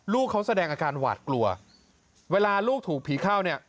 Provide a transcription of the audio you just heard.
ลูกเขาแสดงอาการหวาดกลัวเวลาลูกถูกผีเข้าเนี่ย